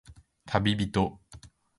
たびびと